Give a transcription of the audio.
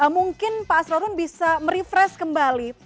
mungkin pak asrorun bisa merefresh kembali